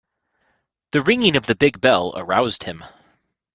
The ringing of the big bell aroused him.